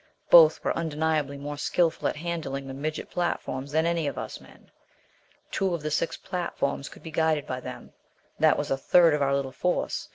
Both were undeniably more skillful at handling the midget platforms than any of us men. Two of the six platforms could be guided by them. That was a third of our little force!